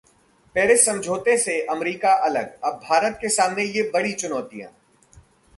Paris समझौते से America अलग, अब भारत के सामने ये बड़ी चुनौतियां